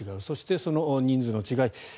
そしてその人数の違い